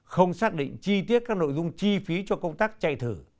không xác định chi tiết các nội dung chi phí cho công tác chạy thử